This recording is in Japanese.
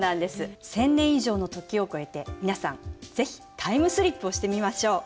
１，０００年以上の時を超えて皆さん是非タイムスリップをしてみましょう。